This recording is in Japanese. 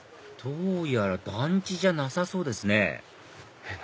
どうやら団地じゃなさそうですねえっ？